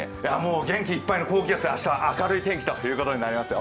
元気いっぱいの高気圧が明るい天気ということになりますよ。